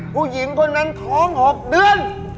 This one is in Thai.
ผู้หญิงคนนั้นท้อง๖เดือน